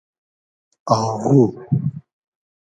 آغو